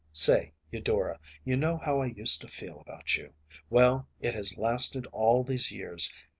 Say, Eudora, you know how I used to feel about you. Well, it has lasted all these years.